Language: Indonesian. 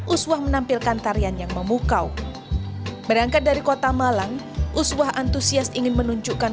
uswah menampilkan tarian yang memukau berangkat dari kota malang uswah antusias ingin menunjukkan